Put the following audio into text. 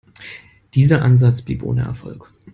Dieser Ansatz blieb ohne Erfolg.